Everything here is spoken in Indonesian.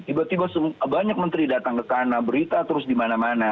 tiba tiba banyak menteri datang ke sana berita terus di mana mana